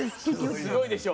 すごいでしょ？